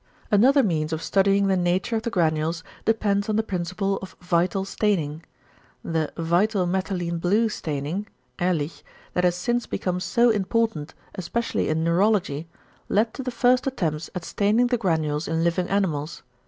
Another means of studying the nature of the granules depends on the principle of =vital staining=. The "vital methylene blue staining" (Ehrlich) that has since become so important, especially in neurology, led to the first attempts at staining the granules in living animals.